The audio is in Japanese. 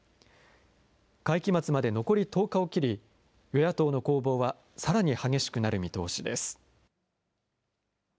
会期末まで残り１０日を切り、与野党の攻防はさらに激しくなる見通しです。